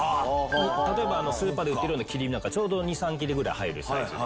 例えばスーパーで売ってるような切り身なんかちょうど２３切れぐらい入るサイズで。